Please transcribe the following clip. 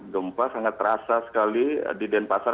gempa sangat terasa sekali di denpasar